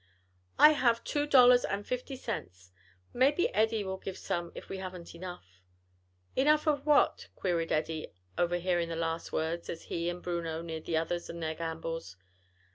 "I have two dollars and fifty cents; maybe Eddie will give some if we haven't enough." "Enough of what?" queried Eddie, over hearing the last words as he and Bruno neared the others in their gambols.